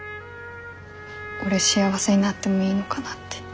俺幸せになってもいいのかなって。